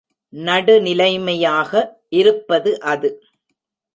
நடுநிலைமையாக இருப்பது அது.